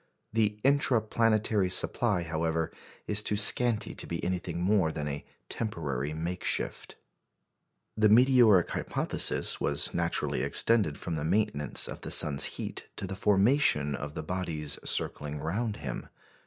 The "intra planetary" supply, however, is too scanty to be anything more than a temporary makeshift. The meteoric hypothesis was naturally extended from the maintenance of the sun's heat to the formation of the bodies circling round him.